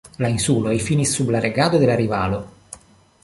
La insuloj finis sub la regado de la rivalo.